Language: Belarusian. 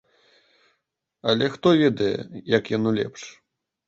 Але хто ведае, як яно лепш?